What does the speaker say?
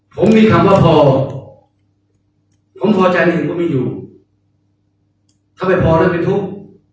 ผมมีคำว่าพอผมพอแจงอิ่มผมไม่อยู่ทำให้พอแล้วเป็นทุกข์